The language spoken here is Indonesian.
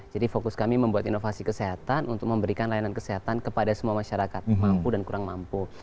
jadi fokus kami membuat inovasi kesehatan untuk memberikan layanan kesehatan kepada semua masyarakat mampu dan kurang mampu